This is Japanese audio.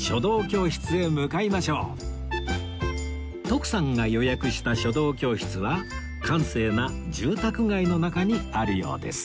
徳さんが予約した書道教室は閑静な住宅街の中にあるようです